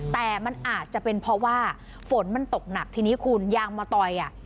แต่มันอาจจะเป็นเพราะว่าฝนมันตกหนักทีนี้คุณยางมะตอยอ่ะ